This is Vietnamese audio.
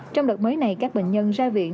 trong đợt mới này các bệnh nhân ra viện